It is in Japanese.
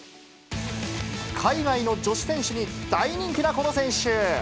海外の女子選手に大人気なこの選手。